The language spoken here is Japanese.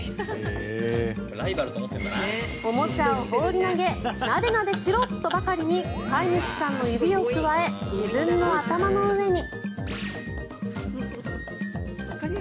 おもちゃを放り投げなでなでしろ！とばかりに飼い主さんの指をくわえ自分の頭の上に。